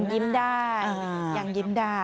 ยังยิ้มได้